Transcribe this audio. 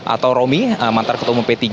atau romi mantar ketumuh p tiga